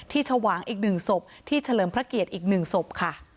ชวางอีก๑ศพที่เฉลิมพระเกียรติอีก๑ศพค่ะ